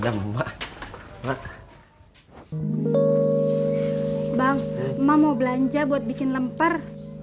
bang mama mau belanja buat bikin lemper